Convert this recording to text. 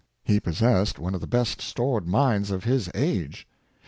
He possessed one of the best stored minds of his age.